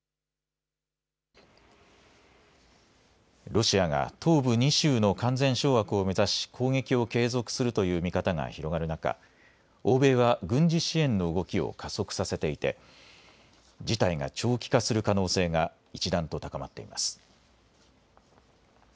ロシアが東部２州の完全掌握を目指し攻撃を継続するという見方が広がる中、欧米は軍事支援の動きを加速させていて事態が長期化する可能性が一段と高まっています。